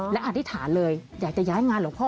และอธิษฐานเลยอยากจะย้ายงานหลวงพ่อ